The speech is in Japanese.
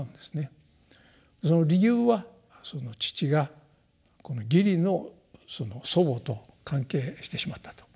その理由はその父がこの義理の祖母と関係してしまったと。